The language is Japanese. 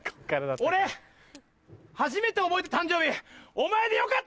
俺初めて覚えた誕生日お前でよかった！